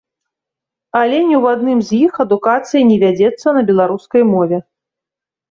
Але ні ў адным з іх адукацыя не вядзецца на беларускай мове.